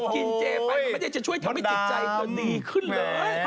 กินเจไปมันไม่ได้จะช่วยทำให้จิตใจเธอดีขึ้นเลย